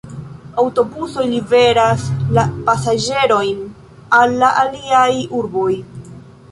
Aŭtobusoj liveras la pasaĝerojn al la aliaj urboj.